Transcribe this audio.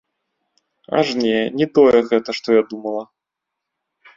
Аж не, не тое гэта, што я думала.